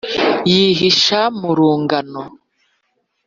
yihisha mu rugano.